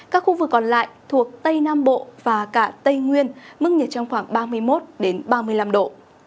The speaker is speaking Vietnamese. các khu vực còn lại thuộc tây nam bộ và cả tây nguyên mức nhiệt trong khoảng ba mươi một ba mươi năm độ